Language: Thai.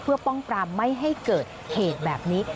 เพื่อป้องปรามไม่ให้เกิดเหตุแบบนี้